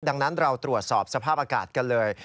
ดังนั้นเราตรวจสอบสภาพอากาศกันเลย